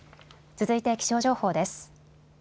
続いて気象情報です。